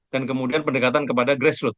dan kemudian pendekatan kepada grassroot